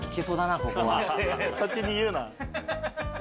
先に言うな。